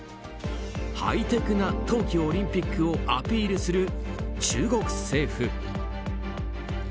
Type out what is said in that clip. ハイテクな冬季オリンピックをアピールする中国政府。